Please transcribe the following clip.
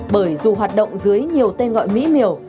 bởi dù hoạt động dưới nhiều tên gọi mỹ miều